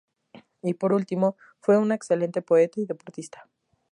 Y por último, fue un excelente poeta y deportista.